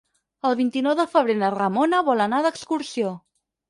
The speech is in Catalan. El vint-i-nou de febrer na Ramona vol anar d'excursió.